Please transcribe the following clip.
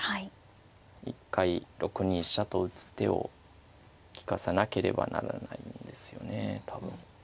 一回６二飛車と打つ手を利かさなければならないんですよね多分。